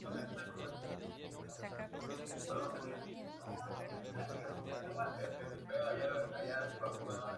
El diseño museográfico y difusión ha corrido a cargo de Paz García Quirós.